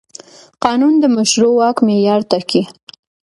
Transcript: قانون د مشروع واک معیار ټاکي.